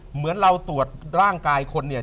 เหมือนเราตรวจร่างกายคนเนี่ย